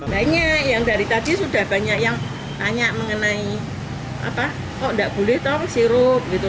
banyak yang dari tadi sudah banyak yang tanya mengenai apa kok nggak boleh tong sirup gitu